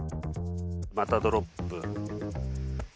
またドロップ。